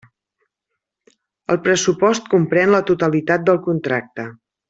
El pressupost comprèn la totalitat del contracte.